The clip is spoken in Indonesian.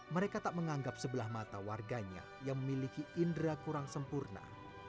mereka tak menganggap sebelah mata warganya yang memiliki indera kurang sempurna